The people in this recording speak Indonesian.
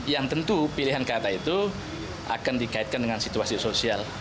yang tentu pilihan kata itu akan dikaitkan dengan situasi sosial